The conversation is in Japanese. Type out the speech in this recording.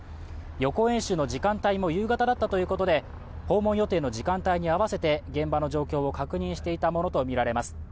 予行演習の時間帯も夕方だったということで、訪問予定の時間帯に合わせて現場の状況を確認していたものとみられます。